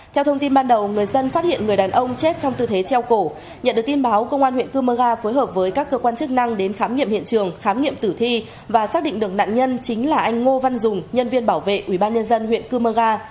theo thông tin ban đầu người dân phát hiện người đàn ông chết trong tư thế treo cổ nhận được tin báo công an huyện cơ mơ ga phối hợp với các cơ quan chức năng đến khám nghiệm hiện trường khám nghiệm tử thi và xác định được nạn nhân chính là anh ngô văn dùng nhân viên bảo vệ ubnd huyện cư mơ ga